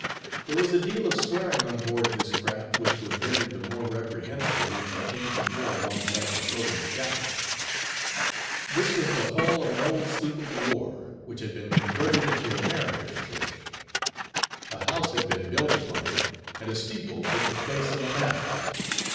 There was a deal of swearing on board of this craft, which was rendered the more reprehensible when she came to moor alongside the Floating Chapel. This was the hull of an old sloop of war, which had been converted into a mariner's church. A house had been built upon it, and a steeple took the place of a mast.